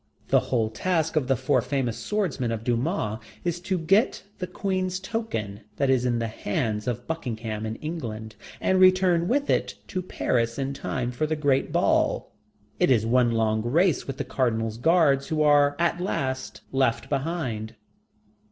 The whole task of the four famous swordsmen of Dumas is to get the Queen's token that is in the hands of Buckingham in England, and return with it to Paris in time for the great ball. It is one long race with the Cardinal's guards who are at last left behind.